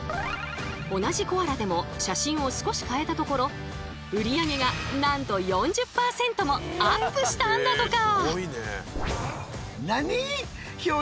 同じコアラでも写真を少し変えたところ売り上げがなんと４０％もアップしたんだとか！